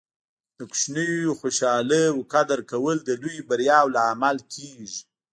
د کوچنیو خوشحالۍو قدر کول د لویو بریاوو لامل کیږي.